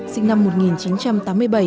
sinh năm một nghìn chín trăm tám mươi bảy